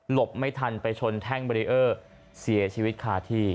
ไม่ทันไปชนแท่งเบรีเออร์เสียชีวิตคาที่